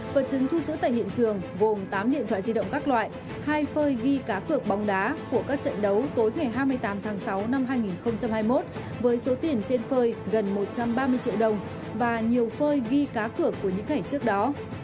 vật chứng thu giữ tại hiện trường gồm tám điện thoại di động các loại hai phơi ghi cá cược bóng đá của các trận đấu tối ngày hai mươi tám tháng sáu năm hai nghìn hai mươi một với số tiền trên phơi gần một trăm ba mươi triệu đồng và nhiều phơi ghi cá cược của những ngày trước đó